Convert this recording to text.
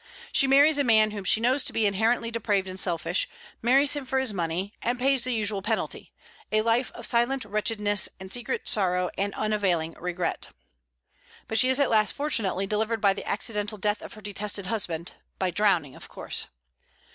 She marries a man whom she knows to be inherently depraved and selfish; marries him for his money, and pays the usual penalty, a life of silent wretchedness and secret sorrow and unavailing regret. But she is at last fortunately delivered by the accidental death of her detested husband, by drowning, of course.